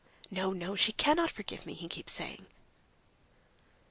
'No, no, she cannot forgive me,' he keeps saying."